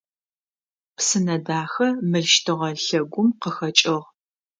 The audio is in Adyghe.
Псынэдахэ мыл щтыгъэ лъэгум къыхэкӏыгъ.